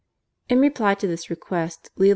In reply to this request Leo X.